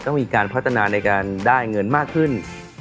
มีการพัฒนาในการได้เงินมากขึ้น